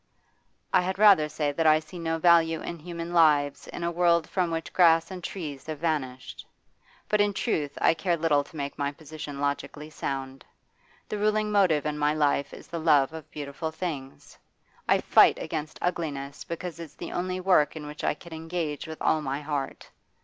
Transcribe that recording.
'I had rather say that I see no value in human lives in a world from which grass and trees have vanished. But, in truth, I care little to make my position logically sound. The ruling motive in my life is the love of beautiful things; I fight against ugliness because it's the only work in which I can engage with all my heart.